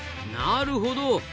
なるほど。